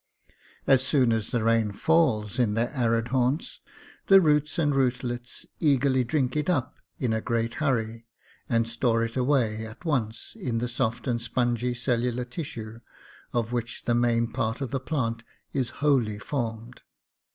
As soon as the rain falls in their arid haunts, the roots and rootlets eagerly drink it up in a great hurry, and store it away at once in the soft and spongy cellular tissue of which the main part of the plant is wholly formed.